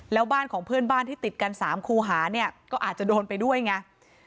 แล้วบ้านของเพื่อนบ้านที่ติดกัน๓คูหาเนี่ยก็อาจจะโดนไปด้วยไง